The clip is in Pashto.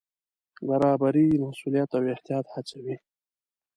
برابري مسوولیت او احتیاط هڅوي.